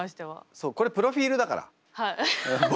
そうこれプロフィールだから。